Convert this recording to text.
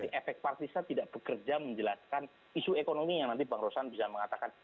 jadi efek partisan tidak bekerja menjelaskan isu ekonomi yang nanti bang rosan bisa mengatakan